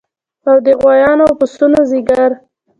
او د غوایانو او پسونو ځیګر